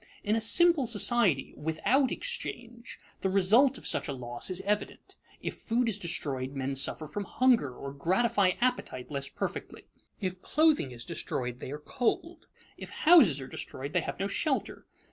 In a simple society, without exchange, the result of such a loss is evident. If food is destroyed, men suffer from hunger or gratify appetite less perfectly; if clothing is destroyed, they are cold; if houses are destroyed, they have no shelter.